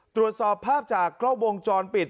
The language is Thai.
ตรวจสอบภาพจากกล้องวงจรปิด